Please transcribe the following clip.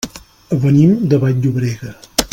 Venim de Vall-llobrega.